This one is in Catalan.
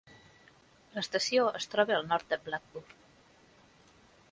L'estació es troba al nord de Blackburn.